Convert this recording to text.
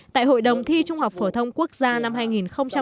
tại hội đồng thi trung học phổ thông quốc gia năm hai nghìn một mươi tám